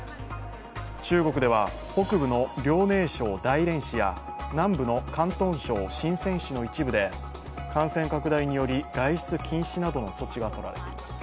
中国では、北部の遼寧省大連市や南部の広東省深セン市の一部で感染拡大により外出禁止などの措置が取られています。